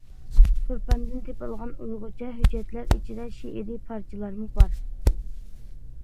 تۇرپاندىن تېپىلغان ئۇيغۇرچە ھۆججەتلەر ئىچىدە شېئىرىي پارچىلارمۇ بار.